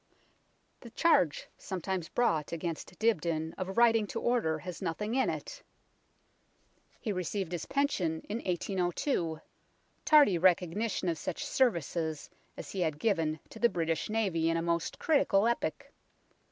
The charge sometimes brought against Dibdin of writing to order has nothing in it. He received 121 his pension in 1802, tardy recognition of such services as he had given to the British Navy in a most critical epoch.